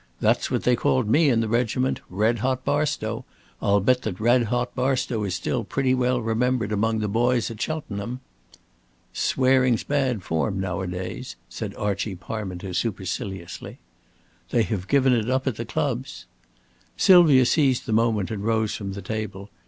"That's what they called me in the regiment. Red hot Barstow. I'll bet that Red hot Barstow is still pretty well remembered among the boys at Cheltenham." "Swearing's bad form nowadays," said Archie Parminter, superciliously. "They have given it up at the clubs." Sylvia seized the moment and rose from the table.